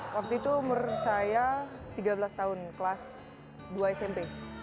waktu itu umur saya tiga belas tahun kelas dua smp